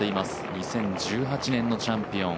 ２０１８年のチャンピオン。